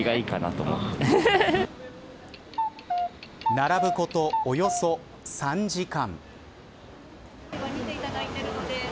並ぶこと、およそ３時間。